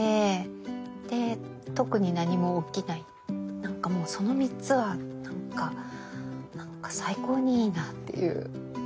なんかもうその３つはなんかなんか最高にいいなっていう。